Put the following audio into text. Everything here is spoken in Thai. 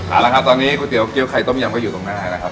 เอาละครับตอนนี้ก๋วยเตี๋เกี้ยไข่ต้มยำก็อยู่ตรงหน้านะครับ